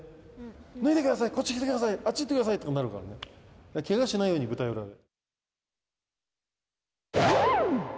脱いでください、こっち来てください、あっち行ってくださいってなるからね、けがしないように、舞台裏で。